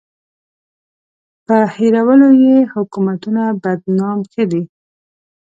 په هېرولو یې حکومتونه بدنام ښه دي.